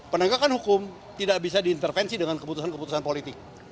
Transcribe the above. penegakan hukum tidak bisa diintervensi dengan keputusan keputusan politik